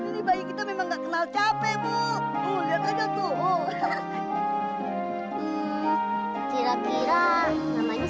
tidak akan tinggal di dalam kuaku